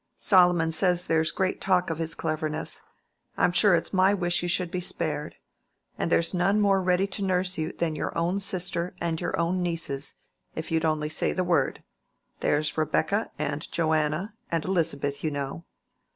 Solomon says there's great talk of his cleverness. I'm sure it's my wish you should be spared. And there's none more ready to nurse you than your own sister and your own nieces, if you'd only say the word. There's Rebecca, and Joanna, and Elizabeth, you know."